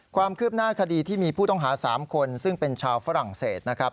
ความคืบหน้าคดีที่มีผู้ต้องหา๓คนซึ่งเป็นชาวฝรั่งเศสนะครับ